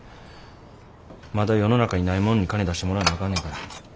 まだ世の中にないもんに金出してもらわなあかんねんから。